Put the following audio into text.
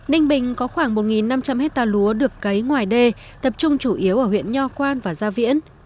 ninh bình có khoảng một năm trăm linh hectare lúa được cấy ngoài đê tập trung chủ yếu ở huyện nho quan và gia viễn